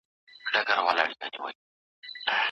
له ښووني ګټه واخله چي راتلونکی دي روښانه سي او هدف ته ورسې .